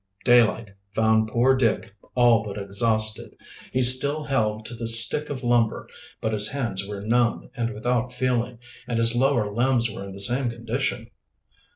Daylight found poor Dick all but exhausted. He still held to the stick of lumber, but his hands were numb and without feeling, and his lower limbs were in the same condition.